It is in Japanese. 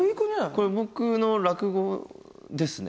これ僕の落語ですね。